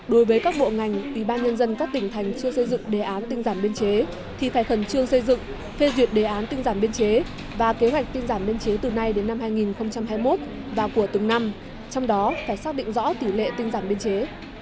đối với các bộ ngành ủy ban nhân dân các tỉnh thành chưa xây dựng đề án tinh giảm biên chế thì phải khẩn trương xây dựng phê duyệt đề án tinh giảm biên chế và kế hoạch tinh giảm biên chế từ nay đến năm hai nghìn hai mươi một và của từng năm trong đó phải xác định rõ tỷ lệ tinh giảm biên chế